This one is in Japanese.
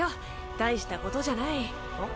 大したことじゃないん？